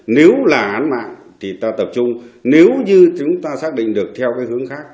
nếu là án mạng thì ta tập trung nếu như chúng ta xác định được theo cái hướng khác